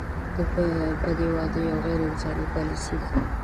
د بدۍ واده یوه غیر انساني پالیسي ده.